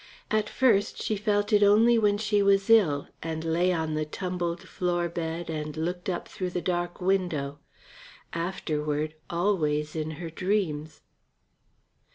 At first she felt it only when she was ill and lay on the tumbled floor bed and looked up through the dark window; afterward always in her dreams.